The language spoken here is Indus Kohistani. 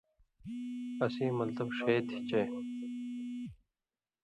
اسیں مطلب ݜے تھی چے